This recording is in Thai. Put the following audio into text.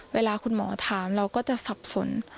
เวลาคุณหมอถามเราก็จะสับสน